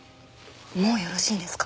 もうよろしいんですか？